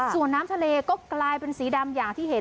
ส่วนน้ำทะเลก็กลายเป็นสีดำอย่างที่เห็น